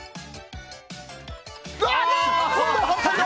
今度は反対だ！